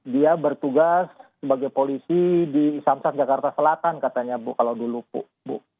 dia bertugas sebagai polisi di samsat jakarta selatan katanya bu kalau dulu bu